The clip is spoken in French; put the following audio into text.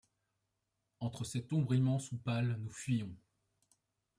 Entre en cette ombre immense où pâles nous fuyons.